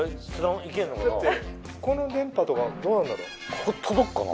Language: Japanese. ここ届くかな？